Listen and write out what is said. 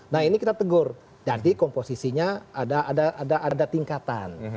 nah ini kita tegur jadi komposisinya ada tingkatan